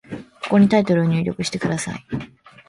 ここにタイトルを入力してください。